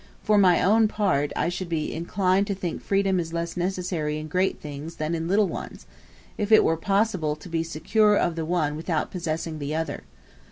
For my own part, I should be inclined to think freedom less necessary in great things than in little ones, if it were possible to be secure of the one without possessing the other.